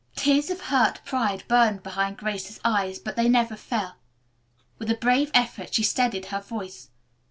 Tears of hurt pride burned behind Grace's eyes, but they never fell. With a brave effort she steadied her voice.